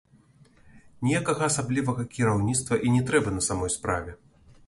Ніякага асаблівага кіраўніцтва і не трэба, на самой справе.